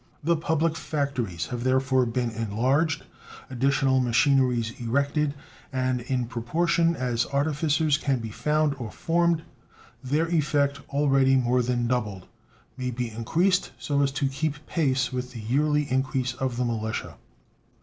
The public factories have therefore been enlarged, additional machineries erected, and, in proportion as artificers can be found or formed, their effect, already more than doubled, may be increased so as to keep pace with the yearly increase of the militia.